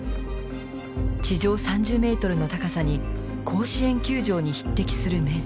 地上３０メートルの高さに甲子園球場に匹敵する面積。